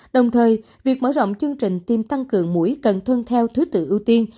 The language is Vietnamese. đồng thời việc mở rộng chương trình tiêm tăng cường mũi cần tuân theo thứ tự ưu tiên